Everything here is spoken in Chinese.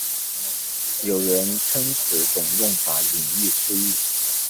有人称此种用法引喻失义。